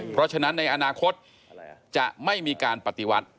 เพราะฉะนั้นในอนาคตจะไม่มีการปฏิวัติ